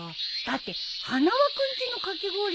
だって花輪君ちのかき氷だよ？